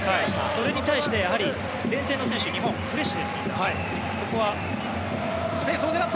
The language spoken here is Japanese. それに対して日本の前線の選手はフレッシュです、みんな。